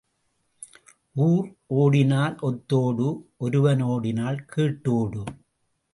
ஊர் ஓடினால் ஒத்தோடு ஒருவன் ஓடினால் கேட்டு ஓடு.